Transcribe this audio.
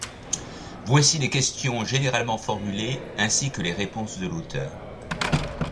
Voici les questions généralement formulées ainsi que les réponses de l'auteur.